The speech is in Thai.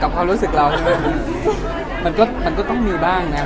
ความรู้สึกเรามันก็ต้องมีบ้างนะ